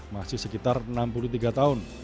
masih sekitar enam puluh tiga tahun